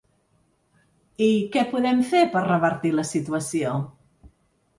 I què podem fer per revertir la situació?